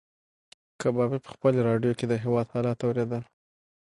کبابي په خپلې راډیو کې د هېواد حالات اورېدل.